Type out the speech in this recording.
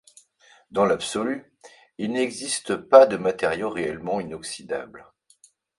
Dans l'absolu, il n'existe pas de matériau réellement inoxydable.